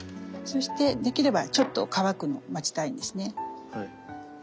そしてできればちょっと乾くのを待ちたいんですね。